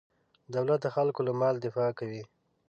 دولت د خلکو له مال دفاع کوي.